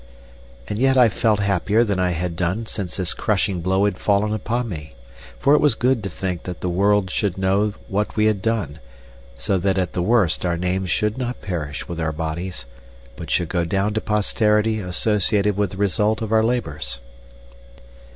And yet I felt happier than I had done since this crushing blow had fallen upon me, for it was good to think that the world should know what we had done, so that at the worst our names should not perish with our bodies, but should go down to posterity associated with the result of our labors.